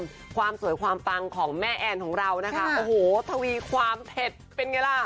ความสวยความปังของแม่แอนของเรานะคะโอ้โหทวีความเผ็ดเป็นไงล่ะ